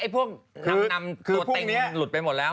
พวกนำตัวเต็งหลุดไปหมดแล้ว